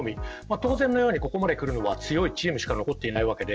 当然のように、ここまで来るのは強いチームしか残っていないわけで。